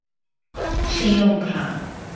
信用卡